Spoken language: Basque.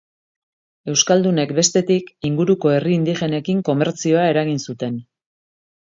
Euskaldunek, bestetik, inguruko herri-indigenekin komertzioa eragin zuten.